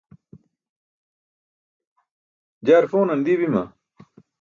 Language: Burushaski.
jaar pʰonan dii bima?